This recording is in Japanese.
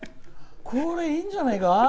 いいんじゃないか？